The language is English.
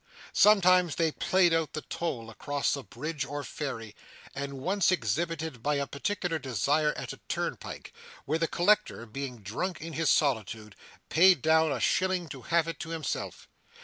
Sometimes they played out the toll across a bridge or ferry, and once exhibited by particular desire at a turnpike, where the collector, being drunk in his solitude, paid down a shilling to have it to himself.